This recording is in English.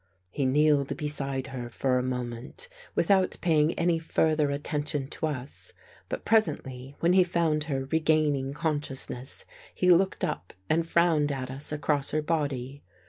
He kneeled beside her, for a moment, without paying any further attention to us, but presently, when he found her regaining consciousness, he looked up and frowned at us across her body.